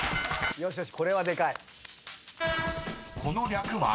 よしよしっ。